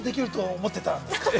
思ってたんですか？